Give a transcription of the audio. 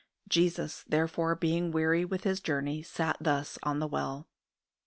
"Jesus therefore being weary with His journey, sat thus on the well."